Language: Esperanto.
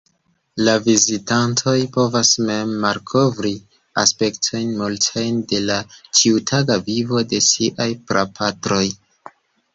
La vizitantoj povas mem malkovri aspektojn multajn de la ĉiutaga vivo de siaj prapatroj.